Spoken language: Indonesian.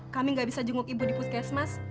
kami nggak bisa jenguk ibu di puskesmas